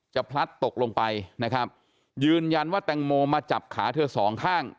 พลัดตกลงไปนะครับยืนยันว่าแตงโมมาจับขาเธอสองข้าง